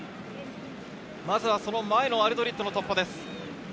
まずはアルドリットの突破です。